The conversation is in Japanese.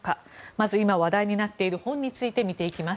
まず今話題になっている本について見ていきます。